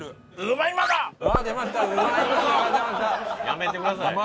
やめてください。